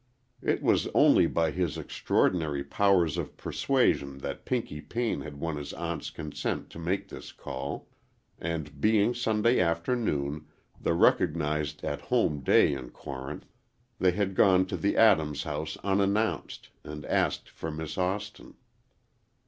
It was only by his extraordinary powers of persuasion that Pinky Payne had won his aunt's consent to make this call, and, being Sunday afternoon, the recognized at home day in Corinth, they had gone to the Adams house unannounced, and asked for Miss Austin.